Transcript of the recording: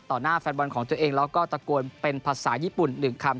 หน้าแฟนบอลของตัวเองแล้วก็ตะโกนเป็นภาษาญี่ปุ่น๑คำ